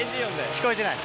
聞こえてない。